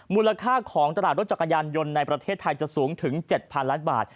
มูลค่าของตลาดรถจักรยานยนต์ในประเทศไทยจะสูงถึง๗๐๐ล้านบาท